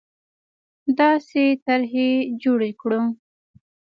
داسې طرحې جوړې کړو